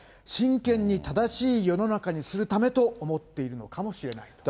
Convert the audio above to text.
真剣に正しい世の中にするためと思っているのかもしれない。